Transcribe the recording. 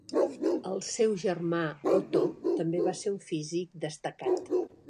El seu germà, Otto, també va ser un físic destacat.